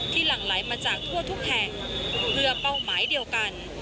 หลั่งไหลมาจากทั่วทุกแห่งเพื่อเป้าหมายเดียวกัน